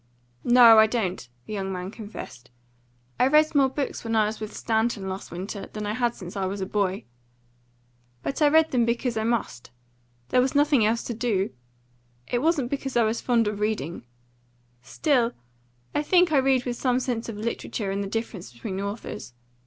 "No, I don't," the young man confessed. "I read more books when I was with Stanton, last winter, than I had since I was a boy. But I read them because I must there was nothing else to do. It wasn't because I was fond of reading. Still I think I read with some sense of literature and the difference between authors.